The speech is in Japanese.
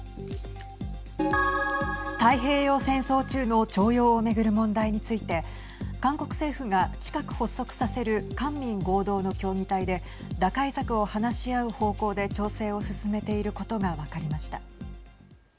太平洋戦争中の徴用を巡る問題について韓国政府が近く発足させる官民合同の協議体で打開策を話し合う方向で調整を進めていることが分かりました。